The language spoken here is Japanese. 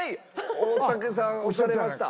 大竹さん押されました。